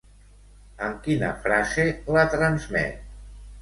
Amb quina frase la transmet?